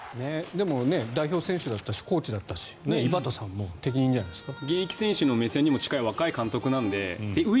でも、代表選手だったしコーチだったし井端さんは適任じゃないですか？